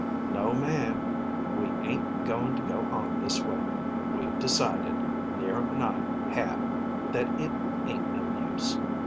"No, ma'am; we ain't going to go on this way. We've decided, 'Niram and I have, that it ain't no use.